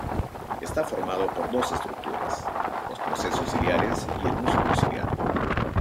Está formado por dos estructuras: los procesos ciliares y el músculo ciliar.